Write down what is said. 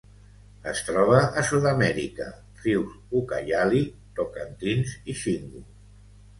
Es troba a Sud-amèrica: rius Ucayali, Tocantins i Xingu.